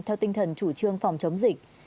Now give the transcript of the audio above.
theo tinh thần chủ trương phòng chống dịch